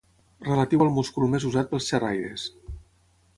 Relatiu al múscul més usat pels xerraires.